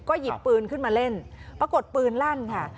ก็หยิบปืนขึ้นมาเล่นปรากฏปืนลั่นค่ะ